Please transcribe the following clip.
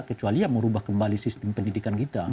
kecuali ya merubah kembali sistem pendidikan kita